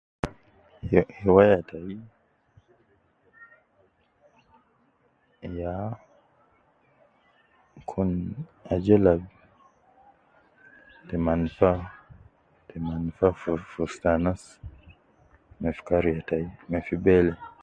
He Hiwaya tayi eya Kun ajol Al te manfa fi ustu anas ma kariya tayi ma fi bele.